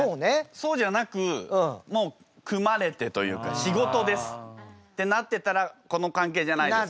そうじゃなくもう組まれてというか仕事ですってなってたらこの関係じゃないですか？